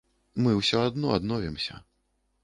Мы ўсё адно адновімся.